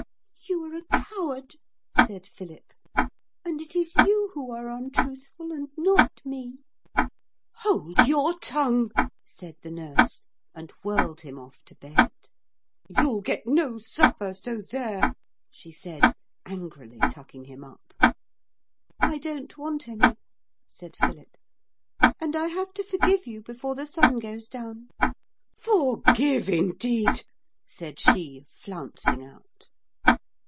'You are a coward,' said Philip, 'and it is you who are untruthful and not me.' 'Hold your tongue,' said the nurse, and whirled him off to bed. 'You'll get no supper, so there!' she said, angrily tucking him up. 'I don't want any,' said Philip, 'and I have to forgive you before the sun goes down.' 'Forgive, indeed!' said she, flouncing out.